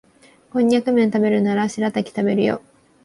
コンニャクめん食べるならシラタキ食べるよ